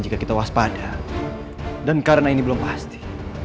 jika kita waspada dan karena ini belum pasti